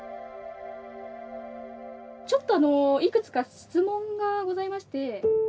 ちょっとあのいくつか質問がございまして。